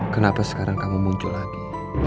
kenapa sekarang kamu muncul lagi